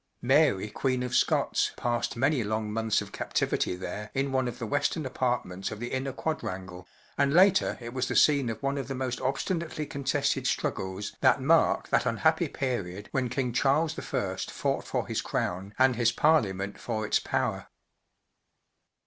Mary Queen of Scots passed many long months of cap¬ tivity there in one of the western apartments of the inner quad¬ rangle, and later it was the scene of one of the most obstinately contested strug¬ gles that mark that unhappy period when King Charles I. fought for his crown and his Parliament for its power.